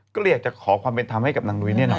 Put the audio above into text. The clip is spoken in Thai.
ก็เลยอยากจะขอความเป็นธรรมให้กับนางนุ้ยเนี่ยนะ